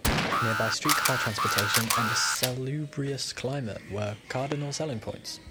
Nearby streetcar transportation and a salubrious climate were cardinal selling points.